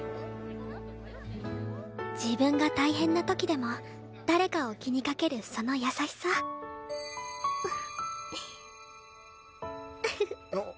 自分が大変な時でも誰かを気にかけるその優しさフフッ。